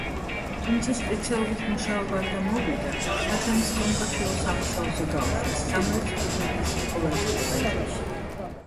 თუმცა სპეციალობით მუშაობა არ გამოუვიდა, რადგან ის კომკავშირულ სამუშაოზე გაუშვეს სამარის გუბერნიის ნიკოლაევსკის მაზრაში.